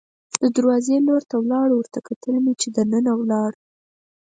د دروازې لور ته ولاړو، ورته کتل مې چې دننه ولاړه.